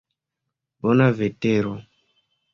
Bona vetero.